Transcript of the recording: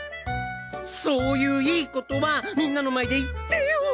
そういういいことはみんなの前で言ってよ！